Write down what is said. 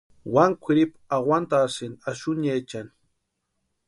Maru kwʼiripu awantasïnti axuniechani.